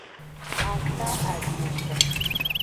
A taadefo.